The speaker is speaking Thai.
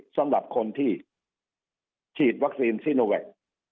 สำหรับคนที่ฉีดวัคซีนซีโนแวค